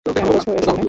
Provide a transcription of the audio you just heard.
কেন করছো এসব, হ্যাঁ?